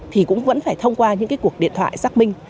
thì cũng vẫn phải thông qua những cái cuộc điện thoại xác minh